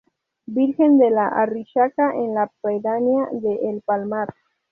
Virgen de la Arrixaca, en la pedanía de El Palmar.